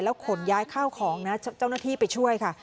ขนย้ายข้าวของนะเจ้าหน้าที่ไปช่วยค่ะ